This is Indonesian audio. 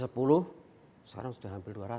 sekarang sudah hampir dua ratus